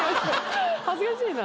恥ずかしいな。